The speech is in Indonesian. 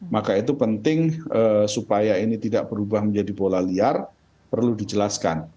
maka itu penting supaya ini tidak berubah menjadi bola liar perlu dijelaskan